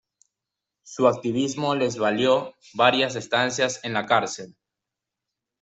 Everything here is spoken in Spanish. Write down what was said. Su activismo les valió varias estancias en la cárcel.